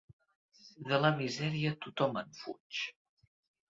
De la misèria tothom en fuig.